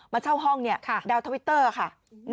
มาเช่าห้องนี้ดาวท์ทวิตเตอร์ค่ะ